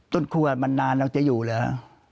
ต้นคั่วมันนานแล้วจะอยู่หรือ